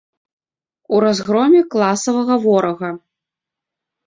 У разгроме класавага ворага.